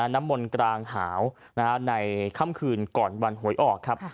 น้ำมนต์กลางหาวในค่ำคืนก่อนวันหวยออกครับ